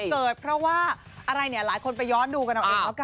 เกิดเพราะว่าอะไรเนี่ยหลายคนไปยอดดูกระด่องเอกนะก่อนค่ะ